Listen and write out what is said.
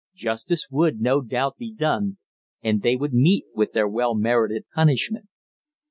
Justice would, no doubt, be done, and they would meet with their well merited punishment.